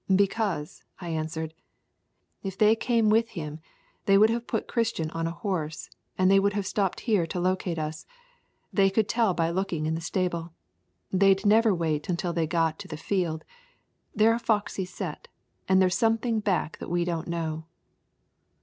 "Because," I answered, "if they came with him they would have put Christian on a horse, and they would have stopped here to locate us. They could tell by looking in the stable. They'd never wait until they got to the field. They're a foxy set, and there's something back that we don't know."